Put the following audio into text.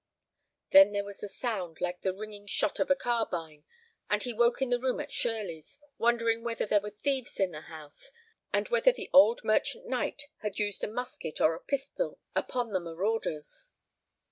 Then there was the sound like the ringing shot of a carbine, and he woke in the room at Shirleys, wondering whether there were thieves in the house, and whether the old merchant knight had used a musket or a pistol upon the marauders.